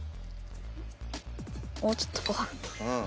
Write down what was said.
もうちょっとごはん。